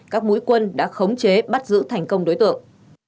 các mũi quân đã khống chế bắt giữ thành công đối tượng